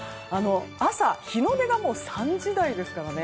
朝、日の出がもう３時台ですからね。